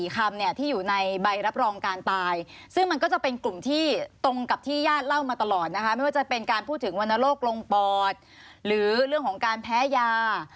ที่อยู่ในใบรับรองการตายซึ่งมันก็จะเป็นกลุ่มที่ตรงกับที่ญาติเล่ามาตลอดนะคะไม่ว่าจะเป็นการพูดถึงวรรณโรคลงปอดหรือเรื่องของการแพ้ยา